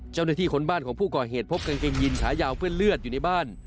คนบ้านของผู้ก่อเหตุพบกางเกงยินขายาวเปื้อนเลือดอยู่ในบ้าน